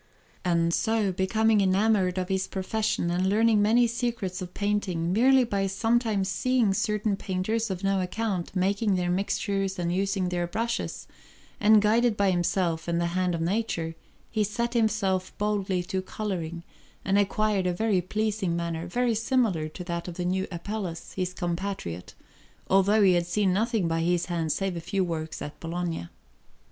And so, becoming enamoured of his profession, and learning many secrets of painting merely by sometimes seeing certain painters of no account making their mixtures and using their brushes, and guided by himself and by the hand of nature, he set himself boldly to colouring, and acquired a very pleasing manner, very similar to that of the new Apelles, his compatriot, although he had seen nothing by his hand save a few works at Bologna.